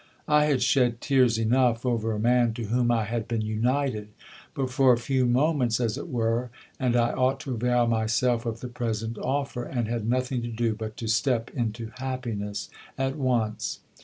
I had shed tears enough over a man to whom I had been united but for a few moments as it were, and I ought to avail myself of the present offer, and had nothing to do but to step into happiness at once.